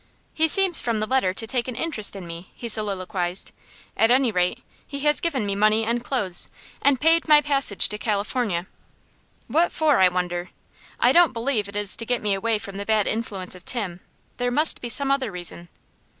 "He seems from the letter to take an interest in me," he soliloquized. "At any rate, he has given me money and clothes, and paid my passage to California. What for, I wonder? I don't believe it is to get me away from the bad influence of Tim. There must be some other reason."